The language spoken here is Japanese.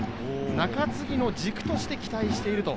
中継ぎの軸として期待していると。